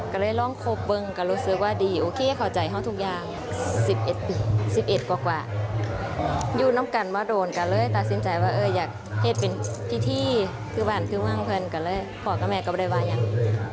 คบกันมา๑๑กว่าปีก็โอเคทุกอย่าง